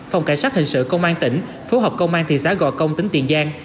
phòng cảnh sát hình sự công an tỉnh phố học công an thị xã gò công tỉnh tiền giang